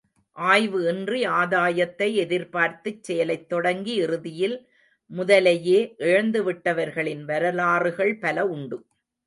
ஆய்வு இன்றி ஆதாயத்தை எதிர்பார்த்துச் செயலைத் தொடங்கி, இறுதியில் முதலையே இழந்துவிட்டவர்களின் வரலாறுகள் பல உண்டு.